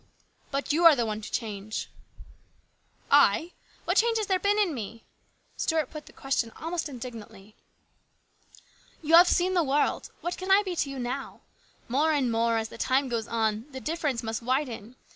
But you are the one to change." " I ! What change has there been in me ?" Stuart put the question almost indignantly. " You have seen the world. What can I be to you now ? More and more, as the time goes on, the difference must widen.